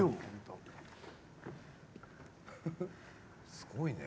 すごいね。